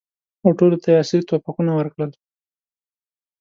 او ټولو ته یې عصري توپکونه ورکړل.